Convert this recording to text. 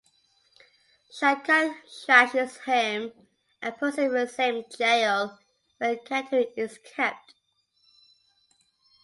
Shankar thrashes him and puts him in the same jail where Katari is kept.